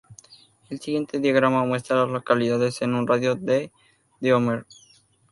El siguiente diagrama muestra a las localidades en un radio de de Omer.